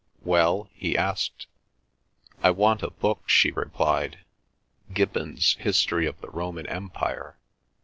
"Well?" he asked. "I want a book," she replied. "Gibbon's History of the Roman Empire.